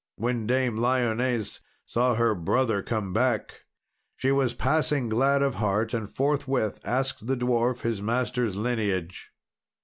When Dame Lyones saw her brother come back, she was passing glad of heart, and forthwith asked the dwarf his master's lineage.